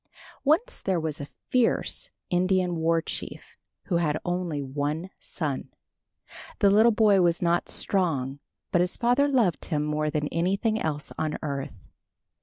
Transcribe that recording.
Once there was a fierce Indian war chief who had only one son. The little boy was not strong, but his father loved him more than anything else on earth.